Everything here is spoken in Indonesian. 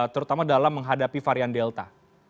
terutama dalam menghadapi varian delta